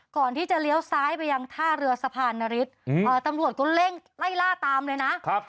ก่อนที่จะเลี้ยวซ้ายไปยังท่าเรือสะพานนฤทธิ์ตำรวจก็เร่งไล่ล่าตามเลยนะครับ